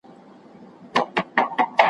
د عقل لاري تر منزله رسېدلي نه دي ,